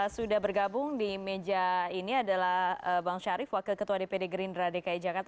sudah bergabung di meja ini adalah bang syarif wakil ketua dpd gerindra dki jakarta